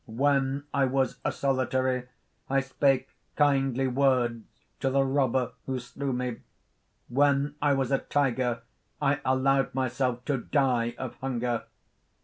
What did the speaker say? When I was a solitary, I spake kindly words to the robber who slew me. When I was a tiger I allowed myself to die of hunger.